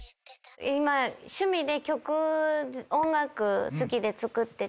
今趣味で曲音楽好きで作ってて。